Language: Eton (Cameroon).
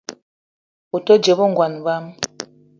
O te dje be ngon bang ?